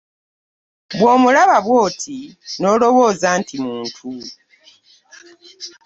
Bw'omulaba bw'oti n'olowooza nti muntu.